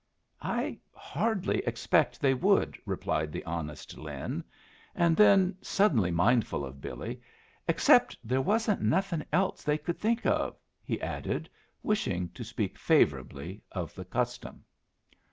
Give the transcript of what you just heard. "I hardly expect they would," replied the honest Lin, and then, suddenly mindful of Billy, "except there wasn't nothin' else they could think of," he added, wishing to speak favorably of the custom.